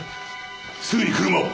すぐに車を！